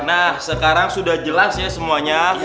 nah sekarang sudah jelas ya semuanya